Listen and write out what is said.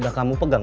gak ada guna